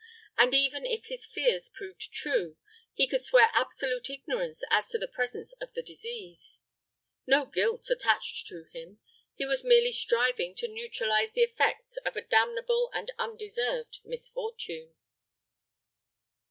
And even if his fears proved true, he could swear absolute ignorance as to the presence of the disease. No guilt attached to him. He was merely striving to neutralize the effects of a damnable and undeserved misfortune.